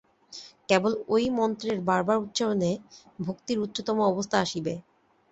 কেবল ঐ মন্ত্রের বার বার উচ্চারণে ভক্তির উচ্চতম অবস্থা আসিবে।